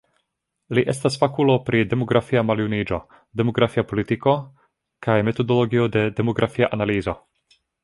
Li estas fakulo pri demografia maljuniĝo, demografia politiko kaj metodologio de demografia analizo.